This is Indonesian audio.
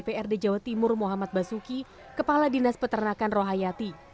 ketua komisi b dprd jawa timur mohamad basuki kepala dinas peternakan rohayati